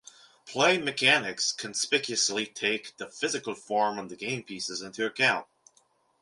Play mechanics conspicuously take the physical form of the game pieces into account.